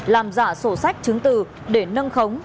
làm giả sổ sách chứng từ để nâng khống